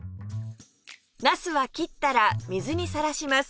なすは切ったら水にさらします